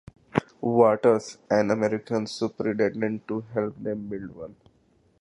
Waters, an American Superintendent to help them build one.